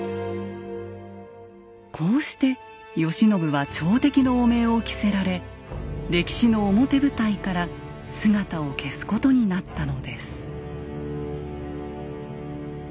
こうして慶喜は朝敵の汚名を着せられ歴史の表舞台から姿を消すことになったのです。